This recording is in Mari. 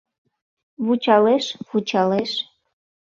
Вучалеш, вучалеш.